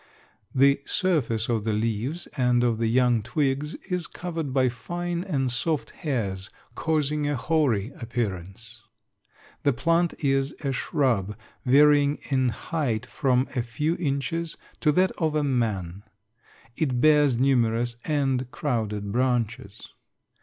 The surface of the leaves, and of the young twigs, is covered by fine and soft hairs, causing a hoary appearance. The plant is a shrub varying in height from a few inches to that of a man. It bears numerous and crowded branches.